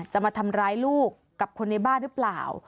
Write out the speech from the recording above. จะมาทำร้ายลูกกับคนในบ้านหรือเปล่า